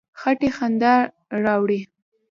خټکی خندا راوړي.